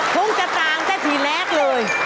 ทุ่งจตาแต่ทีแรกเลย